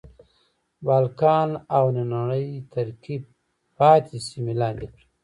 بالکان او نننۍ ترکیې پاتې سیمې لاندې کړې.